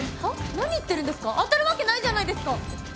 何言ってるんですか当たるわけないじゃないですか。